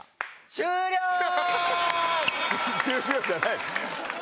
「終了」じゃない！